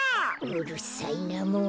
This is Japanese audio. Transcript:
うるさいなもう。